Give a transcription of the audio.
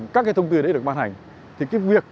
các cái thông tư đấy được ban hành thì cái việc